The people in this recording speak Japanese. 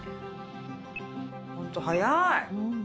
ほんと早い！